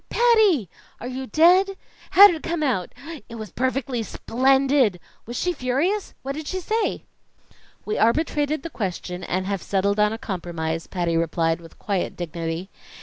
"Patty!" "Are you dead?" "How'd it come out?" "It was perfectly splendid!" "Was she furious?" "What did she say?" "We arbitrated the question and have settled on a compromise," Patty replied with quiet dignity.